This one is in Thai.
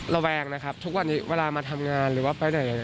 แวงนะครับทุกวันนี้เวลามาทำงานหรือว่าไปไหน